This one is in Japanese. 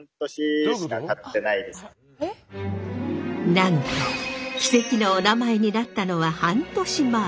なんと奇跡のおなまえになったのは半年前。